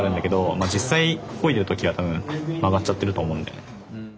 まあ実際漕いでる時は多分曲がっちゃってると思うんだよね。